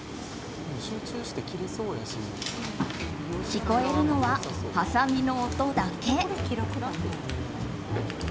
聞こえるのは、はさみの音だけ。